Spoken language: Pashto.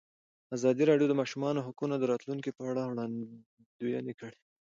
ازادي راډیو د د ماشومانو حقونه د راتلونکې په اړه وړاندوینې کړې.